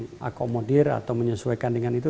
bagi yang tidak mengakomodir atau menyesuaikan dengan itu